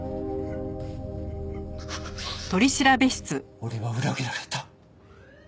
俺は裏切られた。